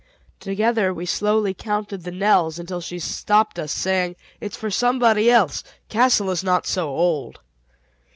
Together we slowly counted the knells until she stopped us, saying, "It's for somebody else; Castle is not so old."